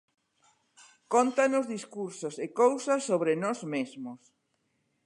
Cóntanos discursos e cousas sobre nós mesmos.